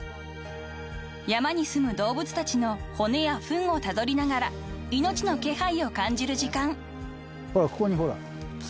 ［山にすむ動物たちの骨やふんをたどりながら命の気配を感じる時間］